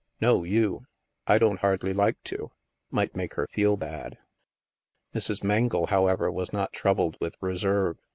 No, you. I don't hardly like to. Might make her feel bad." Mrs. Mengle, however, was not troubled with reserve.